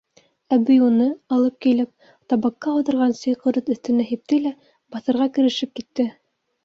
Әбей уны, алып килеп, табаҡҡа ауҙарған сей ҡорот өҫтөнә һипте лә баҫырға керешеп китте.